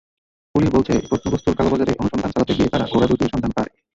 Police বলছে, প্রত্নবস্তুর কালোবাজারে অনুসন্ধান চালাতে গিয়ে তারা ঘোড়া দুটির সন্ধান পায়।